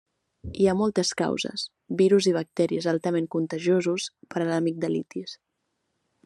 Hi ha moltes causes, virus i bacteris altament contagiosos, per a l'amigdalitis.